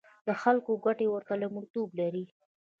د خلکو ګټې ورته لومړیتوب لري.